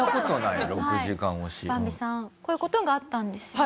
バンビさんこういう事があったんですよね。